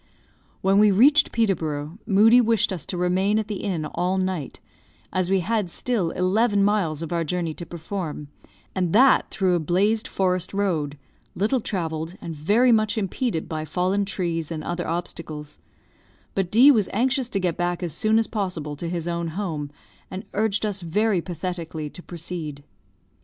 When we reached Peterborough, Moodie wished us to remain at the inn all night, as we had still eleven miles of our journey to perform, and that through a blazed forest road, little travelled, and very much impeded by fallen trees and other obstacles; but D was anxious to get back as soon as possible to his own home, and he urged us very pathetically to proceed.